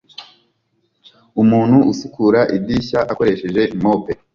umuntu usukura idirishya akoresheje mope